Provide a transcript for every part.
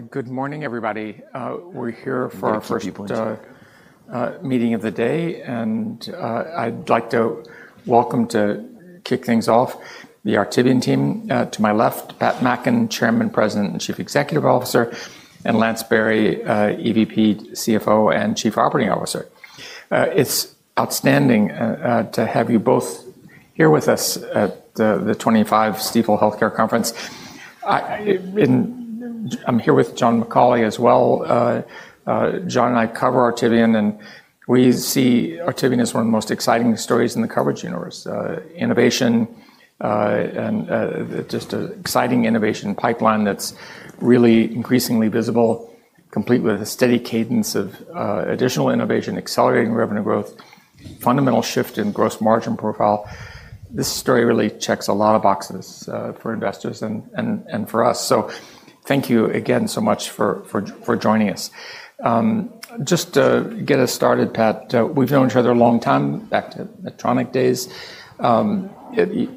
Good morning, everybody. We're here for our first meeting of the day, and I'd like to welcome to kick things off the Artivion team to my left, Pat Mackin, Chairman, President, and Chief Executive Officer, and Lance Berry, EVP, CFO, and Chief Operating Officer. It's outstanding to have you both here with us at the 2025 Stifel Healthcare Conference. I'm here with John McCauley as well. John and I cover Artivion, and we see Artivion as one of the most exciting stories in the coverage universe: innovation and just an exciting innovation pipeline that's really increasingly visible, complete with a steady cadence of additional innovation, accelerating revenue growth, fundamental shift in gross margin profile. This story really checks a lot of boxes for investors and for us. Thank you again so much for joining us. Just to get us started, Pat, we've known each other a long time, back to Medtronic days.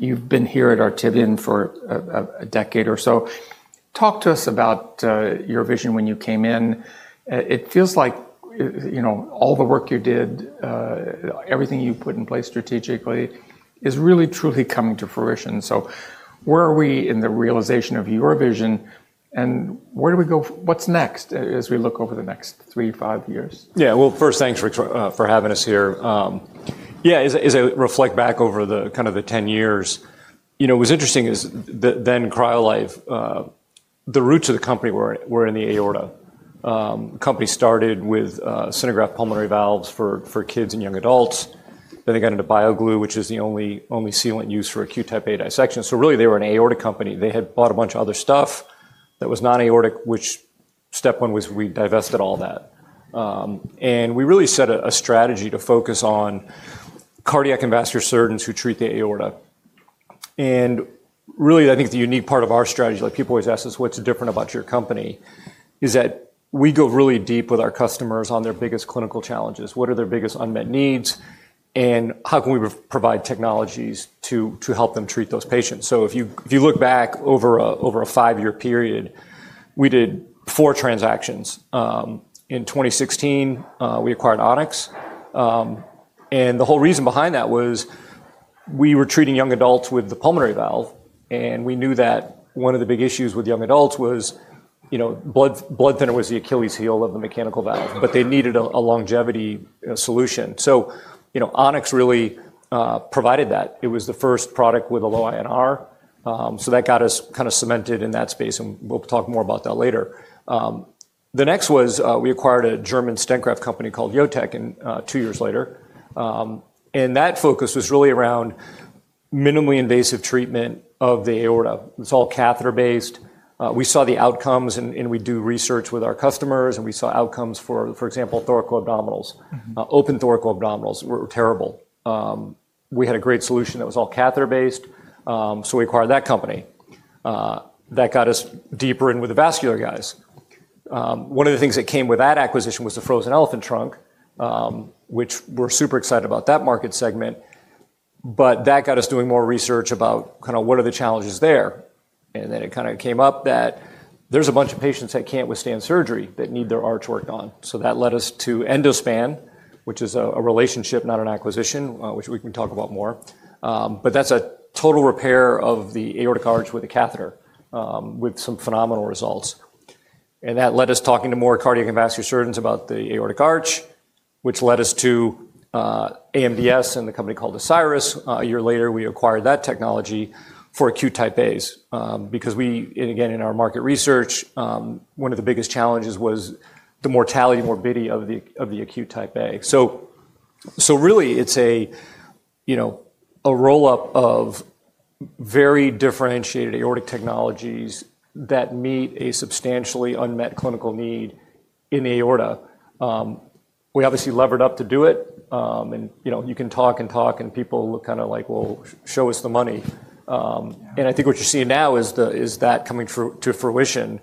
You've been here at Artivion for a decade or so. Talk to us about your vision when you came in. It feels like all the work you did, everything you put in place strategically, is really, truly coming to fruition. Where are we in the realization of your vision, and where do we go? What's next as we look over the next three, five years? Yeah, first, thanks for having us here. Yeah, as I reflect back over kind of the 10 years, you know, what's interesting is that then CryoLife, the roots of the company were in the aorta. The company started with SynerGraft Pulmonary Valves for kids and young adults. Then they got into BioGlue, which is the only sealant used for acute type A dissection. Really, they were an aorta company. They had bought a bunch of other stuff that was non-aortic, which step one was we divested all that. We really set a strategy to focus on cardiac and vascular surgeons who treat the aorta. Really, I think the unique part of our strategy, like people always ask us, what's different about your company, is that we go really deep with our customers on their biggest clinical challenges. What are their biggest unmet needs, and how can we provide technologies to help them treat those patients? If you look back over a five-year period, we did four transactions. In 2016, we acquired On-X. The whole reason behind that was we were treating young adults with the pulmonary valve, and we knew that one of the big issues with young adults was, you know, blood thinner was the Achilles heel of the mechanical valve, but they needed a longevity solution. You know, On-X really provided that. It was the first product with a low INR, so that got us kind of cemented in that space, and we'll talk more about that later. The next was we acquired a German stent graft company called Jotec two years later, and that focus was really around minimally invasive treatment of the aorta. It's all catheter-based. We saw the outcomes, and we do research with our customers, and we saw outcomes for, for example, thoracoabdominals, open thoracoabdominals were terrible. We had a great solution that was all catheter-based, so we acquired that company. That got us deeper in with the vascular guys. One of the things that came with that acquisition was the Frozen Elephant Trunk, which we're super excited about that market segment, but that got us doing more research about kind of what are the challenges there. It kind of came up that there's a bunch of patients that can't withstand surgery that need their arch worked on. That led us to EndoSpan, which is a relationship, not an acquisition, which we can talk about more, but that's a total repair of the aortic arch with a catheter with some phenomenal results. That led us talking to more cardiac and vascular surgeons about the aortic arch, which led us to AMDS and the company called Ascyrus. A year later, we acquired that technology for acute type A's because we, again, in our market research, one of the biggest challenges was the mortality, morbidity of the acute type A. Really, it's a, you know, a roll-up of very differentiated aortic technologies that meet a substantially unmet clinical need in the aorta. We obviously levered up to do it, and you know, you can talk and talk, and people look kind of like, well, show us the money. I think what you see now is that coming to fruition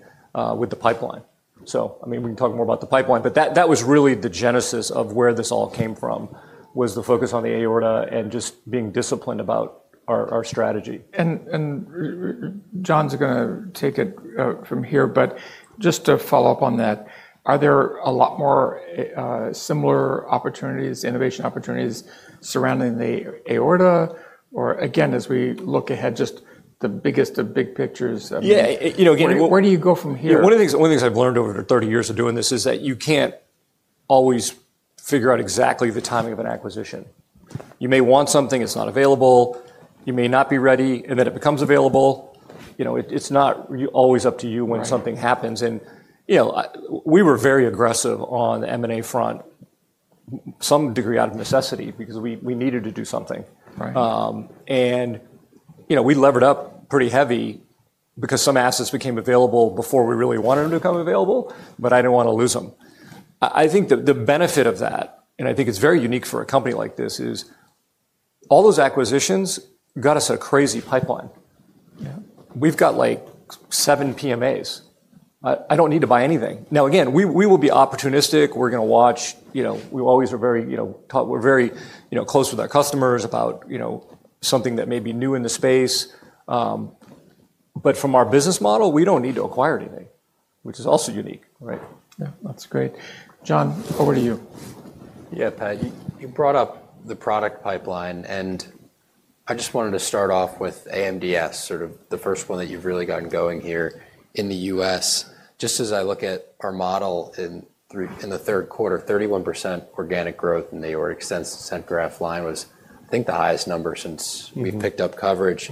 with the pipeline. I mean, we can talk more about the pipeline, but that was really the genesis of where this all came from, was the focus on the aorta and just being disciplined about our strategy. John's going to take it from here, but just to follow up on that, are there a lot more similar opportunities, innovation opportunities surrounding the aorta? Or again, as we look ahead, just the biggest of big pictures? Yeah, you know, again. Where do you go from here? One of the things I've learned over 30 years of doing this is that you can't always figure out exactly the timing of an acquisition. You may want something, it's not available, you may not be ready, and then it becomes available. You know, it's not always up to you when something happens. You know, we were very aggressive on the M&A front, some degree out of necessity because we needed to do something. You know, we levered up pretty heavy because some assets became available before we really wanted them to become available, but I didn't want to lose them. I think the benefit of that, and I think it's very unique for a company like this, is all those acquisitions got us a crazy pipeline. We've got like seven PMAs. I don't need to buy anything. Now, again, we will be opportunistic. We're going to watch. You know, we always are very, you know, we're very close with our customers about, you know, something that may be new in the space. From our business model, we do not need to acquire anything, which is also unique, right? Yeah, that's great. John, over to you. Yeah, Pat, you brought up the product pipeline, and I just wanted to start off with AMDS, sort of the first one that you've really gotten going here in the U.S. Just as I look at our model in the third quarter, 31% organic growth in the aortic stent graft line was, I think, the highest number since we picked up coverage.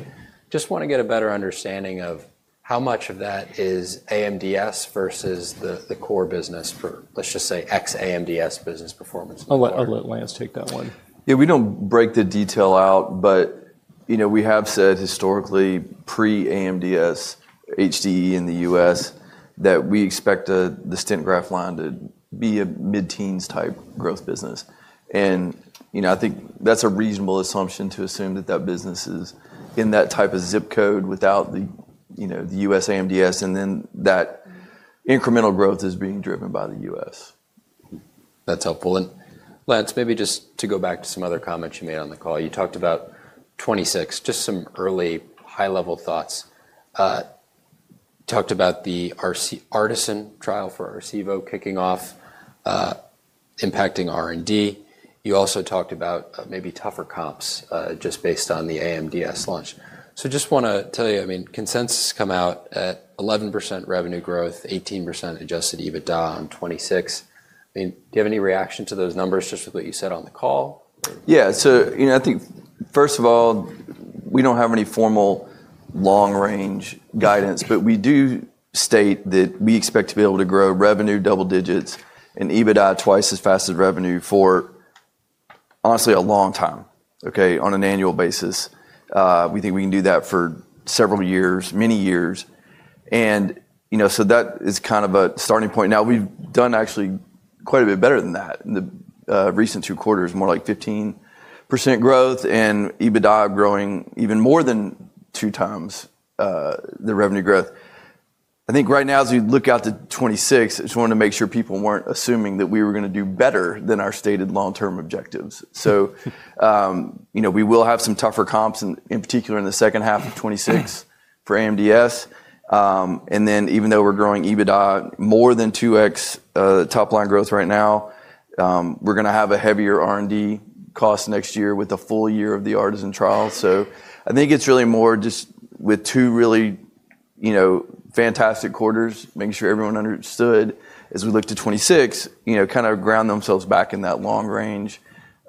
Just want to get a better understanding of how much of that is AMDS versus the core business for, let's just say, ex-AMDS business performance. I'll let Lance take that one. Yeah, we do not break the detail out, but, you know, we have said historically pre-AMDS HDE in the U.S. that we expect the stent graft line to be a mid-teens type growth business. You know, I think that is a reasonable assumption to assume that that business is in that type of ZIP Code without the, you know, the U.S. AMDS, and then that incremental growth is being driven by the U.S. That's helpful. Lance, maybe just to go back to some other comments you made on the call, you talked about 2026, just some early high-level thoughts. Talked about the Artisan trial for Arcevo kicking off, impacting R&D. You also talked about maybe tougher comps just based on the AMDS launch. Just want to tell you, I mean, consensus come out at 11% revenue growth, 18% adjusted EBITDA on 2026. I mean, do you have any reaction to those numbers just with what you said on the call? Yeah, so, you know, I think first of all, we do not have any formal long-range guidance, but we do state that we expect to be able to grow revenue double digits and EBITDA twice as fast as revenue for honestly a long time, okay, on an annual basis. We think we can do that for several years, many years. You know, so that is kind of a starting point. Now, we have done actually quite a bit better than that. In the recent two quarters, more like 15% growth and EBITDA growing even more than two times the revenue growth. I think right now, as we look out to 2026, I just wanted to make sure people were not assuming that we were going to do better than our stated long-term objectives. You know, we will have some tougher comps, in particular in the second half of 2026 for AMDS. Even though we're growing EBITDA more than 2X top line growth right now, we're going to have a heavier R&D cost next year with a full year of the Artisan trial. I think it's really more just with two really, you know, fantastic quarters, making sure everyone understood as we look to 2026, you know, kind of ground themselves back in that long-range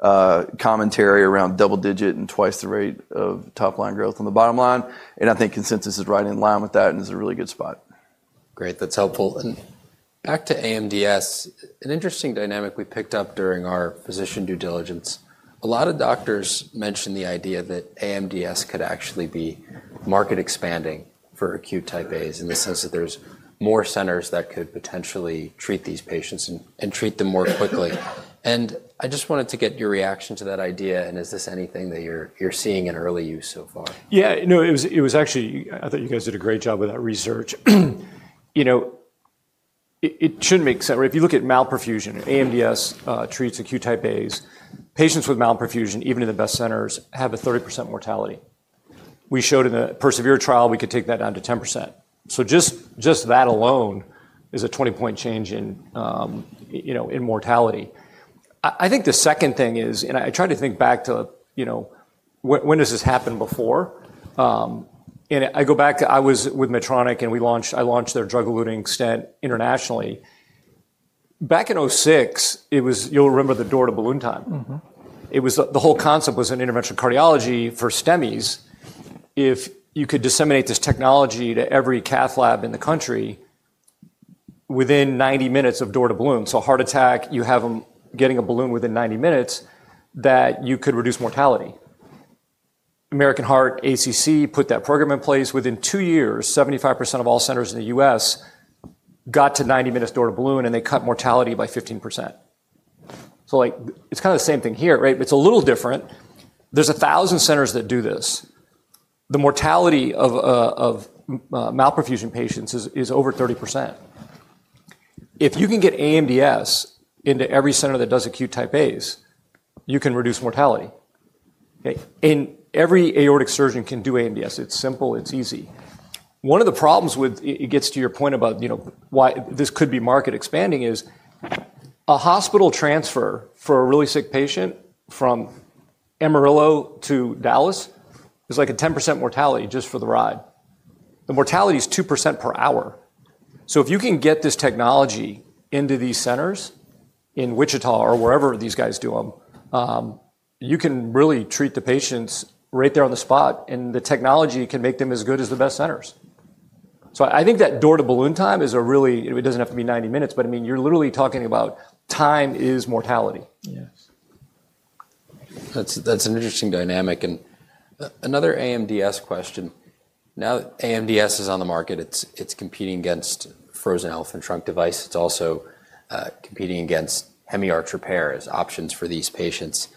commentary around double digit and twice the rate of top line growth on the bottom line. I think consensus is right in line with that and is a really good spot. Great, that's helpful. Back to AMDS, an interesting dynamic we picked up during our physician due diligence. A lot of doctors mentioned the idea that AMDS could actually be market expanding for acute type A's in the sense that there's more centers that could potentially treat these patients and treat them more quickly. I just wanted to get your reaction to that idea, and is this anything that you're seeing in early use so far? Yeah, no, it was actually, I thought you guys did a great job with that research. You know, it shouldn't make sense. If you look at malperfusion, AMDS treats acute type A's. Patients with malperfusion, even in the best centers, have a 30% mortality. We showed in the Persevere trial, we could take that down to 10%. So just that alone is a 20-point change in, you know, in mortality. I think the second thing is, and I try to think back to, you know, when does this happen before? I go back to, I was with Medtronic and we launched, I launched their drug-eluting stent internationally. Back in 2006, it was, you'll remember the door to balloon time. It was the whole concept was an interventional cardiology for STEMIs. If you could disseminate this technology to every cath lab in the country within 90 minutes of door to balloon, so heart attack, you have them getting a balloon within 90 minutes, that you could reduce mortality. American Heart ACC put that program in place. Within two years, 75% of all centers in the U.S. got to 90 minutes door to balloon, and they cut mortality by 15%. Like it's kind of the same thing here, right? It's a little different. There are 1,000 centers that do this. The mortality of malperfusion patients is over 30%. If you can get AMDS into every center that does acute type A's, you can reduce mortality. Every aortic surgeon can do AMDS. It's simple, it's easy. One of the problems with, it gets to your point about, you know, why this could be market expanding is a hospital transfer for a really sick patient from Amarillo to Dallas is like a 10% mortality just for the ride. The mortality is 2% per hour. If you can get this technology into these centers in Wichita or wherever these guys do them, you can really treat the patients right there on the spot, and the technology can make them as good as the best centers. I think that door to balloon time is a really, it does not have to be 90 minutes, but I mean, you are literally talking about time is mortality. Yes. That's an interesting dynamic. Another AMDS question. Now AMDS is on the market. It's competing against Frozen Elephant Trunk device. It's also competing against hemianchor repair as options for these patients.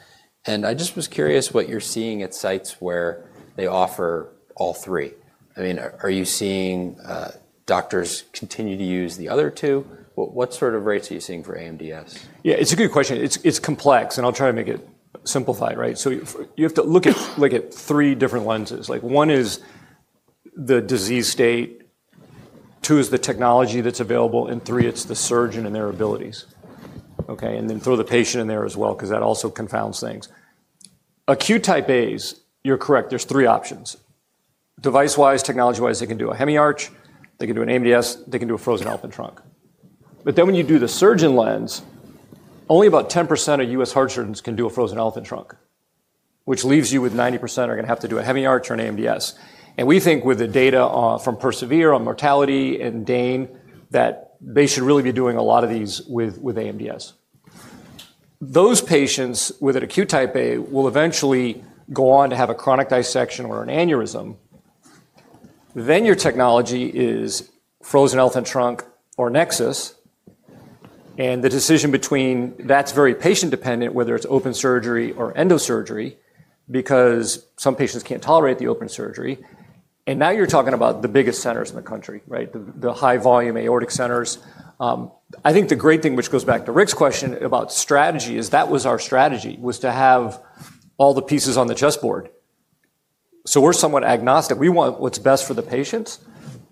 I just was curious what you're seeing at sites where they offer all three. I mean, are you seeing doctors continue to use the other two? What sort of rates are you seeing for AMDS? Yeah, it's a good question. It's complex, and I'll try to make it simplified, right? You have to look at three different lenses. One is the disease state, two is the technology that's available, and three is the surgeon and their abilities, okay? Then throw the patient in there as well because that also confounds things. Acute type A's, you're correct, there's three options. deviceWISE, technologyWise, they can do a hemianchor, they can do an AMDS, they can do a frozen elephant trunk. When you do the surgeon lens, only about 10% of US heart surgeons can do a frozen elephant trunk, which leaves you with 90% are going to have to do a hemianchor or an AMDS. We think with the data from Persevere on mortality and Dane, that they should really be doing a lot of these with AMDS. Those patients with an acute type A will eventually go on to have a chronic dissection or an aneurysm. Then your technology is Frozen Elephant Trunk or Nexus, and the decision between that's very patient-dependent, whether it's open surgery or endosurgery, because some patients can't tolerate the open surgery. Now you're talking about the biggest centers in the country, right? The high-volume aortic centers. I think the great thing, which goes back to Rick's question about strategy, is that was our strategy, was to have all the pieces on the chessboard. We're somewhat agnostic. We want what's best for the patients.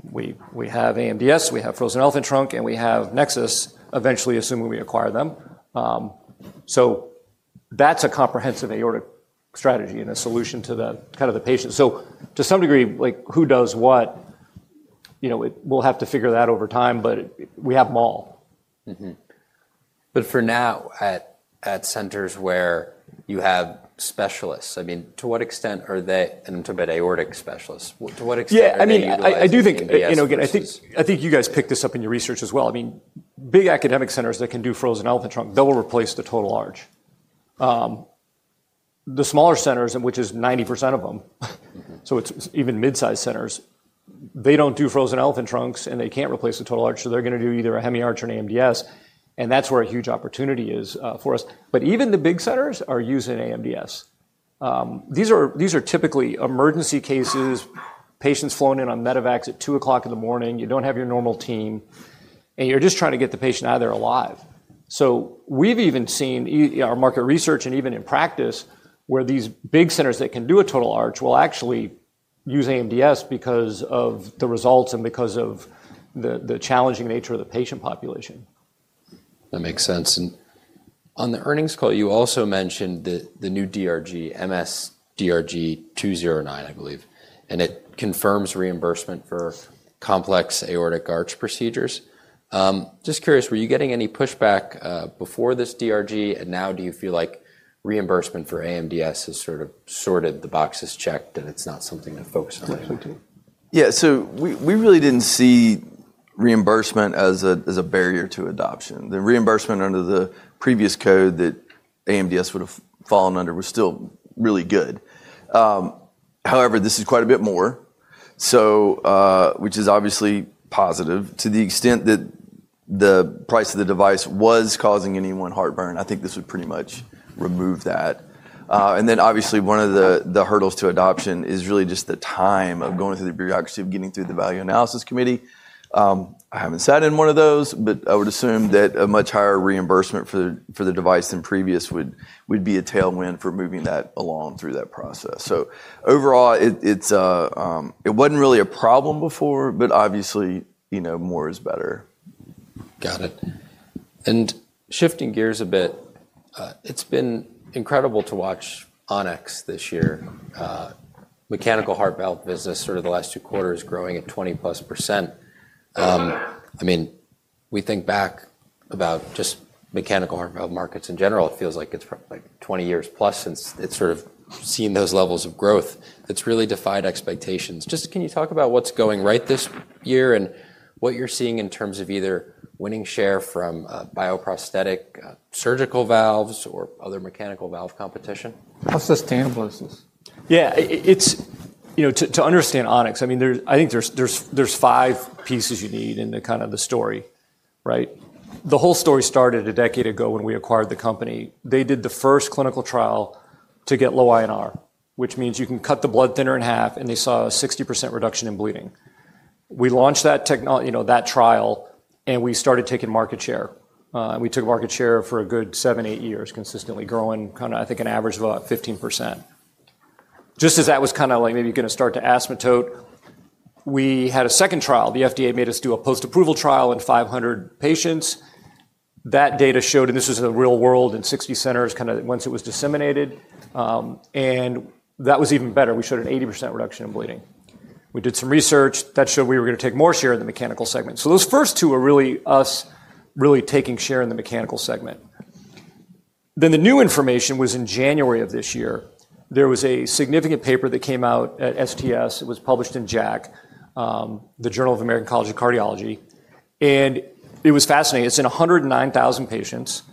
We have AMDS, we have Frozen Elephant Trunk, and we have Nexus, eventually assuming we acquire them. That's a comprehensive aortic strategy and a solution to the kind of the patient. To some degree, like who does what, you know, we'll have to figure that over time, but we have them all. For now, at centers where you have specialists, I mean, to what extent are they, and I'm talking about aortic specialists, to what extent are they? Yeah, I mean, I do think, you know, again, I think you guys picked this up in your research as well. I mean, big academic centers that can do Frozen Elephant Trunk, they'll replace the total arch. The smaller centers, which is 90% of them, so it's even mid-sized centers, they don't do Frozen Elephant Trunks and they can't replace the total arch, so they're going to do either a hemianchor or an AMDS. That is where a huge opportunity is for us. Even the big centers are using AMDS. These are typically emergency cases, patients flown in on Medivax at 2:00 A.M., you don't have your normal team, and you're just trying to get the patient out of there alive. We've even seen our market research and even in practice where these big centers that can do a total arch will actually use AMDS because of the results and because of the challenging nature of the patient population. That makes sense. On the earnings call, you also mentioned the new DRG, MS-DRG 209, I believe, and it confirms reimbursement for complex aortic arch procedures. Just curious, were you getting any pushback before this DRG, and now do you feel like reimbursement for AMDS has sort of sorted the boxes checked and it's not something to focus on? Yeah, so we really didn't see reimbursement as a barrier to adoption. The reimbursement under the previous code that AMDS would have fallen under was still really good. However, this is quite a bit more, which is obviously positive to the extent that the price of the device was causing anyone heartburn. I think this would pretty much remove that. Obviously, one of the hurdles to adoption is really just the time of going through the bureaucracy of getting through the value analysis committee. I haven't sat in one of those, but I would assume that a much higher reimbursement for the device than previous would be a tailwind for moving that along through that process. Overall, it wasn't really a problem before, but obviously, you know, more is better. Got it. Shifting gears a bit, it is been incredible to watch On-X this year. Mechanical Heart Valve business, sort of the last two quarters, growing at 20% plus. I mean, we think back about just mechanical heart valve markets in general, it feels like it is like 20 years plus since it is sort of seen those levels of growth that has really defied expectations. Just can you talk about what is going right this year and what you are seeing in terms of either winning share from bioprosthetic surgical valves or other mechanical valve competition? How sustainable is this? Yeah, it's, you know, to understand On-X, I mean, I think there's five pieces you need in the kind of the story, right? The whole story started a decade ago when we acquired the company. They did the first clinical trial to get low INR, which means you can cut the blood thinner in half, and they saw a 60% reduction in bleeding. We launched that, you know, that trial, and we started taking market share. We took market share for a good seven, eight years, consistently growing kind of, I think, an average of about 15%. Just as that was kind of like maybe you're going to start to asymptote, we had a second trial. The FDA made us do a post-approval trial in 500 patients. That data showed, and this was in the real world in 60 centers kind of once it was disseminated, and that was even better. We showed an 80% reduction in bleeding. We did some research that showed we were going to take more share in the mechanical segment. Those first two are really us really taking share in the mechanical segment. The new information was in January of this year. There was a significant paper that came out at STS. It was published in JACC, the Journal of American College of Cardiology. It was fascinating. It is in 109,000 patients.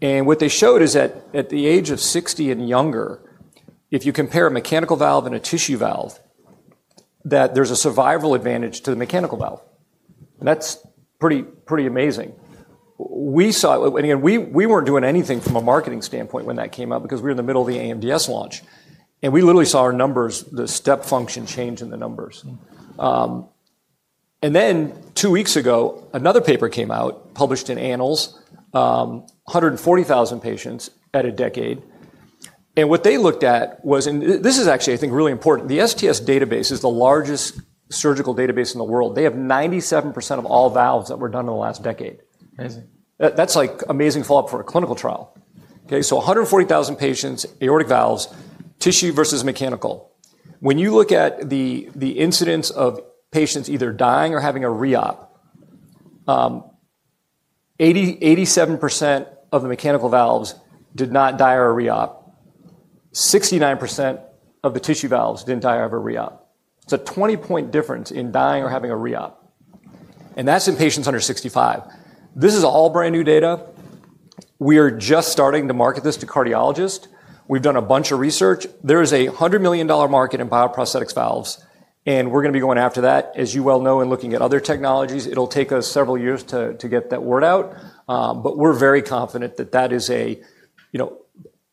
What they showed is that at the age of 60 and younger, if you compare a mechanical valve and a tissue valve, there is a survival advantage to the mechanical valve. That is pretty amazing. We saw, and again, we were not doing anything from a marketing standpoint when that came out because we were in the middle of the AMDS launch. We literally saw our numbers, the step function change in the numbers. Two weeks ago, another paper came out published in Annals, 140,000 patients at a decade. What they looked at was, and this is actually, I think, really important, the STS database is the largest surgical database in the world. They have 97% of all valves that were done in the last decade. That is like amazing follow-up for a clinical trial. Okay, so 140,000 patients, aortic valves, tissue versus mechanical. When you look at the incidence of patients either dying or having a re-op, 87% of the mechanical valves did not die or re-op. 69% of the tissue valves did not die or have a re-op. It's a 20-point difference in dying or having a re-op. And that's in patients under 65. This is all brand new data. We are just starting to market this to cardiologists. We've done a bunch of research. There is a $100 million market in bioprosthetic valves, and we're going to be going after that. As you well know, in looking at other technologies, it'll take us several years to get that word out. We are very confident that that is a, you know,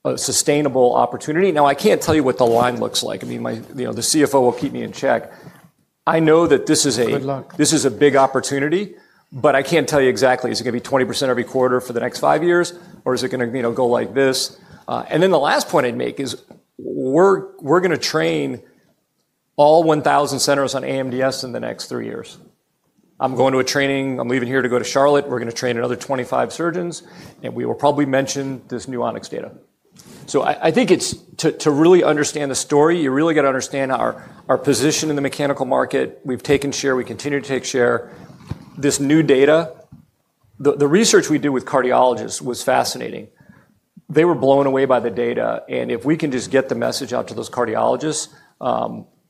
a sustainable opportunity. Now, I can't tell you what the line looks like. I mean, you know, the CFO will keep me in check. I know that this is a, this is a big opportunity, but I can't tell you exactly. Is it going to be 20% every quarter for the next five years, or is it going to, you know, go like this? The last point I'd make is we're going to train all 1,000 centers on AMDS in the next three years. I'm going to a training, I'm leaving here to go to Charlotte. We're going to train another 25 surgeons, and we will probably mention this new On-X data. I think it's to really understand the story, you really got to understand our position in the mechanical market. We've taken share, we continue to take share. This new data, the research we did with cardiologists was fascinating. They were blown away by the data. If we can just get the message out to those cardiologists,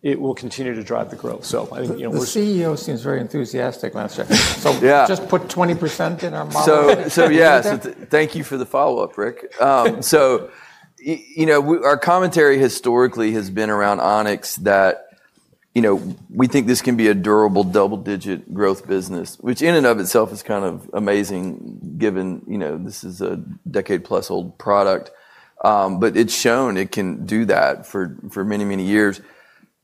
it will continue to drive the growth. I think, you know. The CEO seems very enthusiastic last year. So just put 20% in our model. Yes, thank you for the follow-up, Rick. You know, our commentary historically has been around On-X that, you know, we think this can be a durable double-digit growth business, which in and of itself is kind of amazing given, you know, this is a decade-plus old product. It has shown it can do that for many, many years.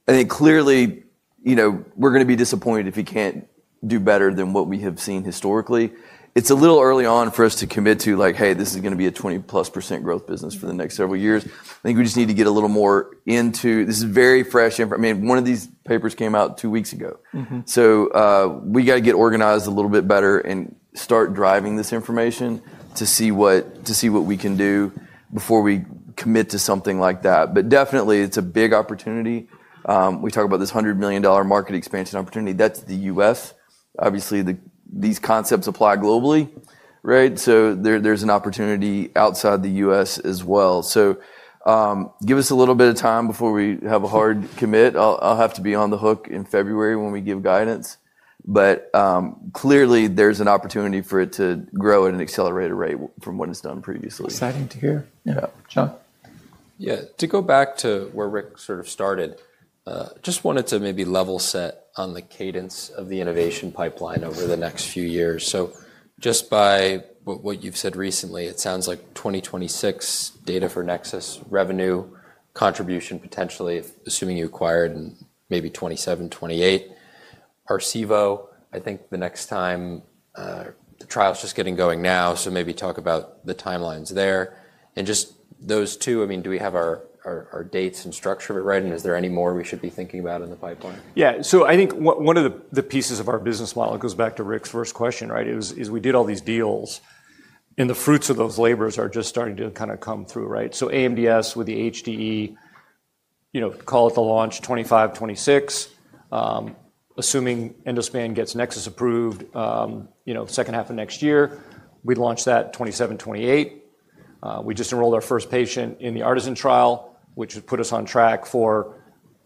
I think clearly, you know, we're going to be disappointed if we can't do better than what we have seen historically. It's a little early on for us to commit to like, hey, this is going to be a 20%+ growth business for the next several years. I think we just need to get a little more into this. This is very fresh. I mean, one of these papers came out two weeks ago. We got to get organized a little bit better and start driving this information to see what we can do before we commit to something like that. Definitely, it's a big opportunity. We talk about this $100 million market expansion opportunity. That's the US. Obviously, these concepts apply globally, right? There's an opportunity outside the US as well. Give us a little bit of time before we have a hard commit. I'll have to be on the hook in February when we give guidance. Clearly, there's an opportunity for it to grow at an accelerated rate from what it's done previously. Exciting to hear. Yeah, John? Yeah, to go back to where Rick sort of started, just wanted to maybe level set on the cadence of the innovation pipeline over the next few years. Just by what you've said recently, it sounds like 2026 data for Nexus, revenue contribution potentially, assuming you acquired in maybe 2027, 2028. Arcevo, I think the next time, the trial's just getting going now, so maybe talk about the timelines there. Just those two, I mean, do we have our dates and structure of it right? Is there any more we should be thinking about in the pipeline? Yeah, so I think one of the pieces of our business model goes back to Rick's first question, right? Is we did all these deals and the fruits of those labors are just starting to kind of come through, right? So AMDS with the HDE, you know, call it the launch 2025, 2026, assuming EndoSpan gets Nexus approved, you know, second half of next year, we launch that 2027, 2028. We just enrolled our first patient in the Artisan trial, which has put us on track for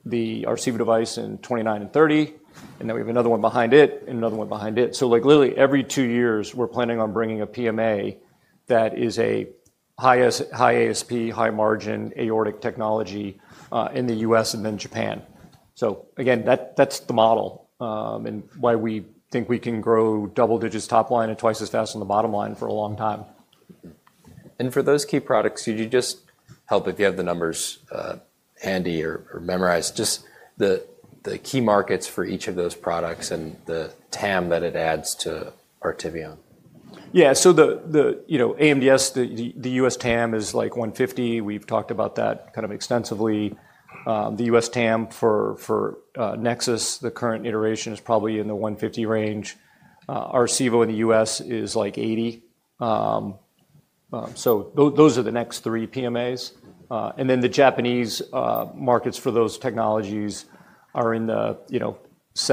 the Arcevo device in 2029 and 2030. And then we have another one behind it and another one behind it. So like literally every two years, we're planning on bringing a PMA that is a high ASP, high margin aortic technology in the U.S. and then Japan. Again, that's the model and why we think we can grow double digits top line and twice as fast on the bottom line for a long time. For those key products, could you just help if you have the numbers handy or memorized, just the key markets for each of those products and the TAM that it adds to Artivion? Yeah, so the, you know, AMDS, the US TAM is like $150 million. We've talked about that kind of extensively. The US TAM for Nexus, the current iteration is probably in the $150 million range. Arcevo in the U.S. is like $80 million. Those are the next three PMAs. The Japanese markets for those technologies are in the $50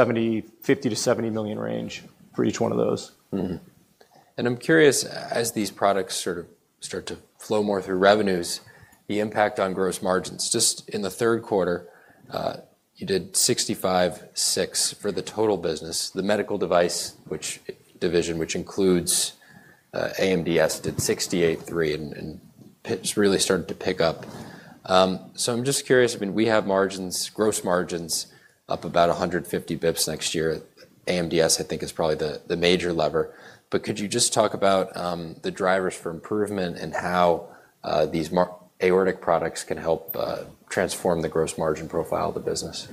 million-$70 million range for each one of those. I'm curious, as these products sort of start to flow more through revenues, the impact on gross margins, just in the third quarter, you did 65.6% for the total business. The medical device division, which includes AMDS, did 68.3% and really started to pick up. I'm just curious, I mean, we have margins, gross margins up about 150 basis points next year. AMDS, I think, is probably the major lever. Could you just talk about the drivers for improvement and how these aortic products can help transform the gross margin profile of the business?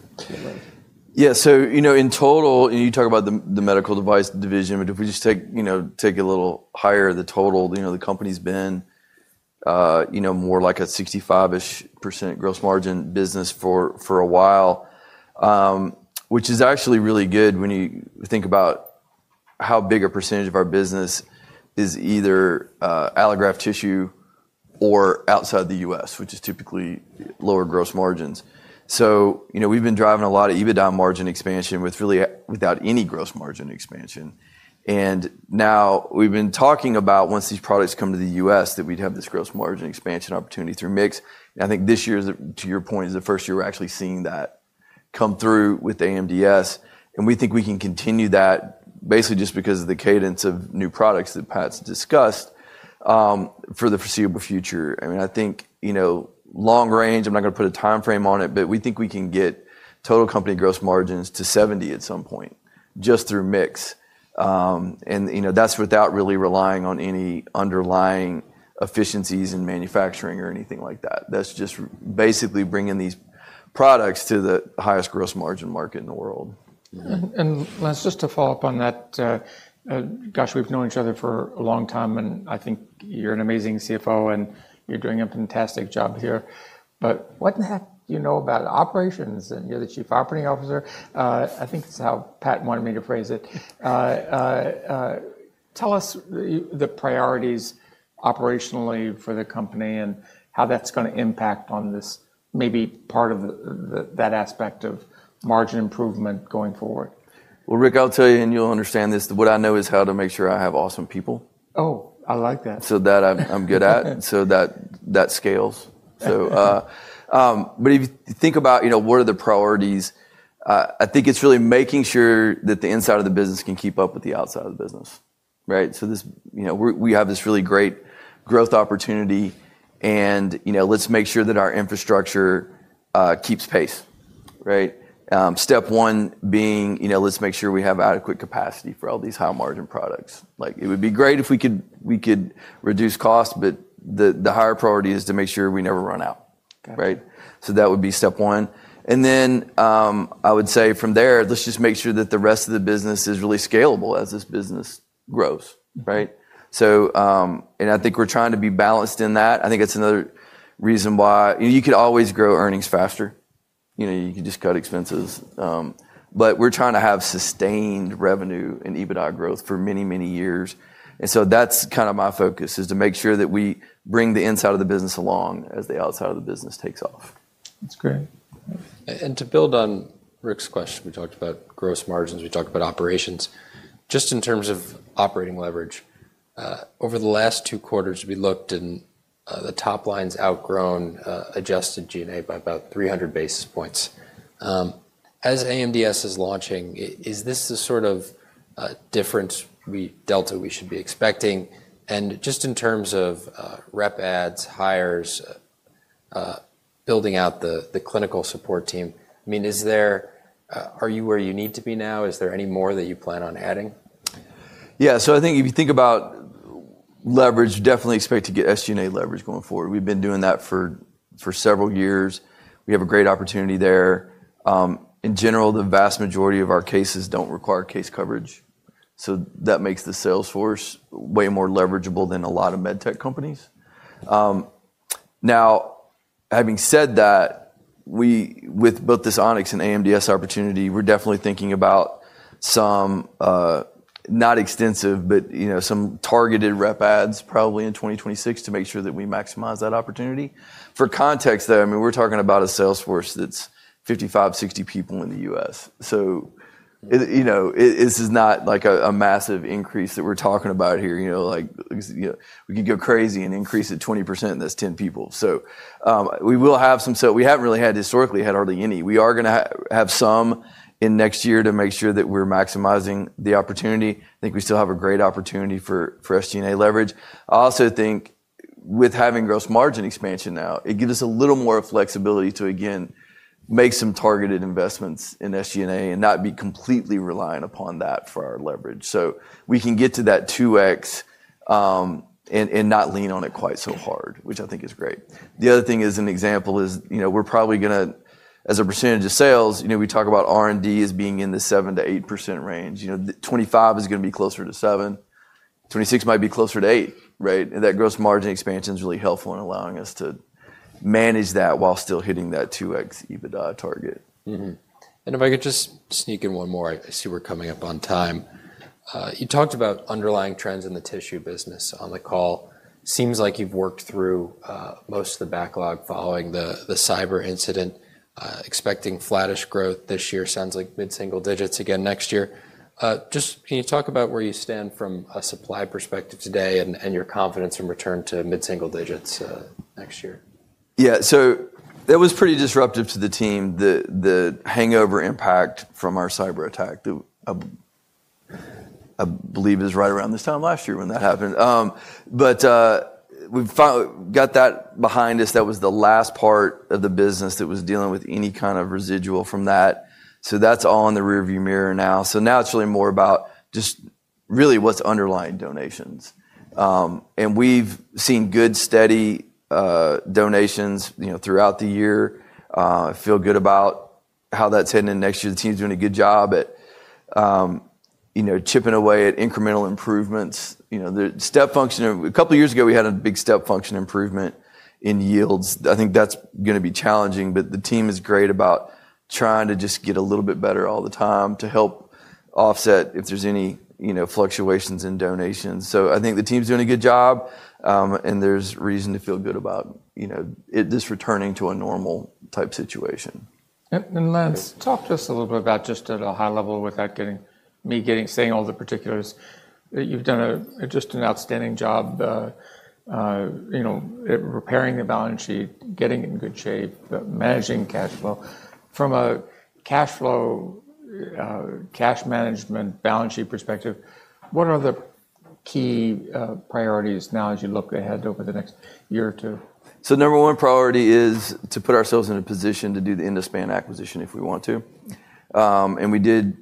Yeah, so, you know, in total, you talk about the medical device division, but if we just take, you know, take a little higher the total, you know, the company's been, you know, more like a 65% gross margin business for a while, which is actually really good when you think about how big a percentage of our business is either allograft tissue or outside the US, which is typically lower gross margins. So, you know, we've been driving a lot of EBITDA margin expansion with really without any gross margin expansion. And now we've been talking about once these products come to the US that we'd have this gross margin expansion opportunity through MIX. I think this year's, to your point, is the first year we're actually seeing that come through with AMDS. We think we can continue that basically just because of the cadence of new products that Pat's discussed for the foreseeable future. I mean, I think, you know, long range, I'm not going to put a timeframe on it, but we think we can get total company gross margins to 70% at some point just through MIX. And, you know, that's without really relying on any underlying efficiencies in manufacturing or anything like that. That's just basically bringing these products to the highest gross margin market in the world. Lance, just to follow up on that, gosh, we've known each other for a long time, and I think you're an amazing CFO and you're doing a fantastic job here. What the heck do you know about operations? You're the Chief Operating Officer. I think that's how Pat wanted me to phrase it. Tell us the priorities operationally for the company and how that's going to impact on this, maybe part of that aspect of margin improvement going forward. Rick, I'll tell you, and you'll understand this. What I know is how to make sure I have awesome people. Oh, I like that. That I am good at. That scales. If you think about, you know, what are the priorities, I think it is really making sure that the inside of the business can keep up with the outside of the business, right? We have this really great growth opportunity and, you know, let's make sure that our infrastructure keeps pace, right? Step one being, you know, let's make sure we have adequate capacity for all these high margin products. Like it would be great if we could reduce costs, but the higher priority is to make sure we never run out, right? That would be step one. I would say from there, let's just make sure that the rest of the business is really scalable as this business grows, right? I think we are trying to be balanced in that. I think that's another reason why you could always grow earnings faster. You know, you could just cut expenses. We're trying to have sustained revenue and EBITDA growth for many, many years. That's kind of my focus is to make sure that we bring the inside of the business along as the outside of the business takes off. That's great. To build on Rick's question, we talked about gross margins, we talked about operations. Just in terms of operating leverage, over the last two quarters, we looked and the top line's outgrown adjusted G&A by about 300 basis points. As AMDS is launching, is this the sort of difference, the delta, we should be expecting? Just in terms of rep ads, hires, building out the clinical support team, I mean, are you where you need to be now? Is there any more that you plan on adding? Yeah, so I think if you think about leverage, definitely expect to get SG&A leverage going forward. We've been doing that for several years. We have a great opportunity there. In general, the vast majority of our cases do not require case coverage. So that makes the sales force way more leverageable than a lot of med tech companies. Now, having said that, with both this On-X and AMDS opportunity, we're definitely thinking about some, not extensive, but you know, some targeted rep ads probably in 2026 to make sure that we maximize that opportunity. For context though, I mean, we're talking about a sales force that's 55-60 people in the US. You know, this is not like a massive increase that we're talking about here. You know, like we could go crazy and increase it 20%, and that's 10 people. We will have some, so we haven't really had historically had hardly any. We are going to have some in next year to make sure that we're maximizing the opportunity. I think we still have a great opportunity for SG&A leverage. I also think with having gross margin expansion now, it gives us a little more flexibility to again make some targeted investments in SG&A and not be completely reliant upon that for our leverage. We can get to that 2X and not lean on it quite so hard, which I think is great. The other thing is an example is, you know, we're probably going to, as a percentage of sales, you know, we talk about R&D as being in the 7-8% range. You know, 2025 is going to be closer to 7%. 2026 might be closer to 8%, right? That gross margin expansion is really helpful in allowing us to manage that while still hitting that 2X EBITDA target. If I could just sneak in one more, I see we're coming up on time. You talked about underlying trends in the tissue business on the call. Seems like you've worked through most of the backlog following the cyber incident, expecting flattish growth this year. Sounds like mid-single digits again next year. Just can you talk about where you stand from a supply perspective today and your confidence in return to mid-single digits next year? Yeah, so that was pretty disruptive to the team, the hangover impact from our cyber attack. I believe it was right around this time last year when that happened. We've got that behind us. That was the last part of the business that was dealing with any kind of residual from that. That's all in the rearview mirror now. Now it's really more about just really what's underlying donations. We've seen good steady donations, you know, throughout the year. I feel good about how that's heading next year. The team's doing a good job at, you know, chipping away at incremental improvements. You know, the step function, a couple of years ago we had a big step function improvement in yields. I think that's going to be challenging, but the team is great about trying to just get a little bit better all the time to help offset if there's any, you know, fluctuations in donations. I think the team's doing a good job and there's reason to feel good about, you know, this returning to a normal type situation. Lance, talk to us a little bit about just at a high level without getting me saying all the particulars. You've done just an outstanding job, you know, repairing the balance sheet, getting it in good shape, managing cash flow. From a cash flow, cash management, balance sheet perspective, what are the key priorities now as you look ahead over the next year or two? Number one priority is to put ourselves in a position to do the EndoSpan acquisition if we want to. We did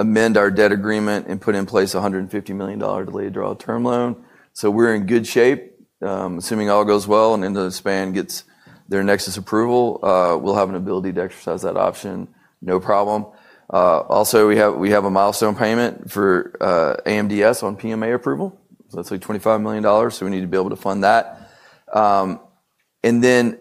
amend our debt agreement and put in place a $150 million delayed draw term loan. We are in good shape. Assuming all goes well and EndoSpan gets their Nexus approval, we will have an ability to exercise that option, no problem. Also, we have a milestone payment for AMDS on PMA approval. That is like $25 million. We need to be able to fund that. From there,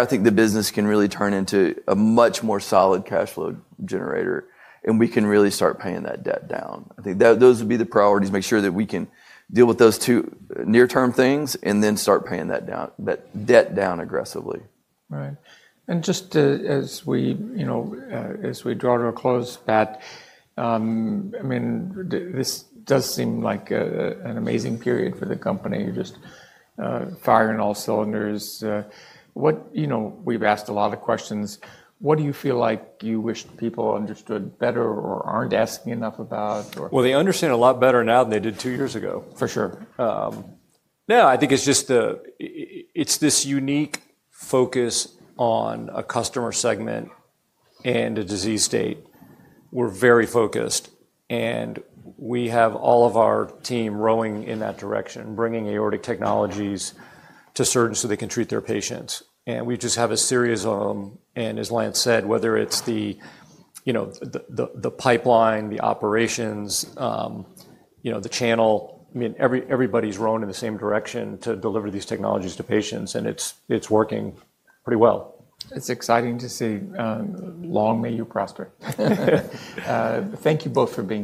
I think the business can really turn into a much more solid cash flow generator and we can really start paying that debt down. I think those would be the priorities, make sure that we can deal with those two near-term things and then start paying that debt down aggressively. Right. And just as we, you know, as we draw to a close, Pat, I mean, this does seem like an amazing period for the company. You're just firing all cylinders. What, you know, we've asked a lot of questions. What do you feel like you wish people understood better or aren't asking enough about? They understand a lot better now than they did two years ago. For sure. No, I think it's just, it's this unique focus on a customer segment and a disease state. We're very focused and we have all of our team rowing in that direction, bringing aortic technologies to surgeons so they can treat their patients. We just have a series of them. As Lance said, whether it's the, you know, the pipeline, the operations, you know, the channel, I mean, everybody's rowing in the same direction to deliver these technologies to patients and it's working pretty well. It's exciting to see. Long may you prosper. Thank you both for being.